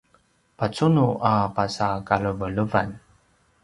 pacunu a pasa kalevelevan